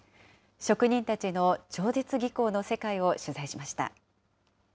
職人たちの超絶技巧の世界を取材しました。